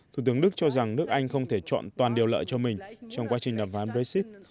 thủ tướng đức cho rằng nước anh không thể chọn toàn điều lợi cho mình trong quá trình đàm phán brexit